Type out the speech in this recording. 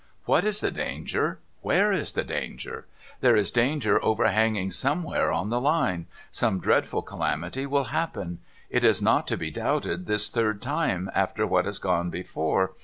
' What is the danger? Where is the danger? There is danger overhanging somewhere on the Line. Some dreadful calamity will happen. It is not to be doubted this third time, after what has gone before.